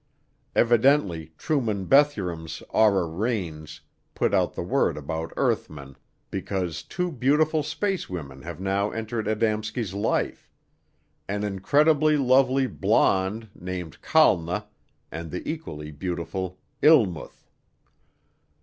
Evidently Truman Bethurum's Aura Rhanes put out the word about earthmen because two beautiful spacewomen have now entered Adamski's life: an "incredibly lovely" blonde named Kalna, and the equally beautiful Illmuth.